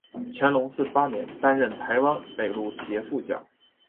乾隆四十八年担任台湾北路协副将。